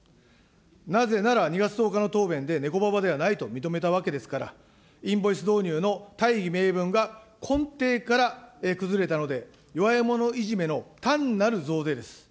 なぜなら２月１０日の答弁で、ねこばばではないと認めたわけですから、インボイス導入の大義名分が根底から崩れたので、弱い者いじめの、単なる増税です。